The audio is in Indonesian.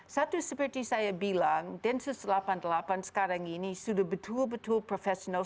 satu seperti saya bilang densus delapan puluh delapan sekarang ini sudah betul betul profesional